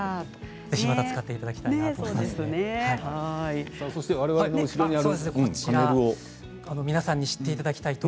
ぜひ、また使っていただきたいです。